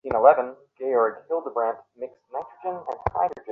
BBS মনে করছে, রংপুরের কিছুটা অবস্থাপন্ন ব্যক্তিরাই বিদেশে কাজ করতে যাচ্ছেন।